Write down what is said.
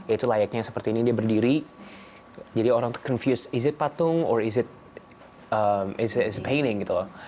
itu layaknya seperti ini dia berdiri jadi orang tertarik apakah itu patung atau itu lukisan